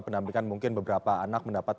pendampingan mungkin beberapa anak mendapat